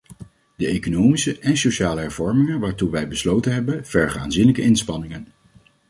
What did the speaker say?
De economische en sociale hervormingen waartoe wij besloten hebben, vergen aanzienlijke inspanningen.